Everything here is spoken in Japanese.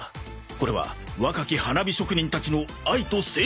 これは若き花火職人たちの愛と青春の物語